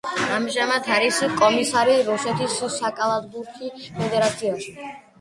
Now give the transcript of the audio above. ამჟამად არის კომისარი რუსეთის საკალათბურთი ფედერაციაში.